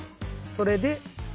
それで。